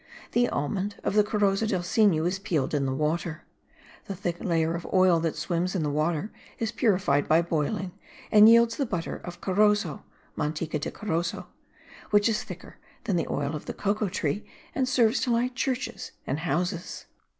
The almond of the Corozo del Sinu is peeled in the water. The thick layer of oil that swims in the water is purified by boiling, and yields the butter of Corozo (manteca de Corozo) which is thicker than the oil of the cocoa tree, and serves to light churches and houses.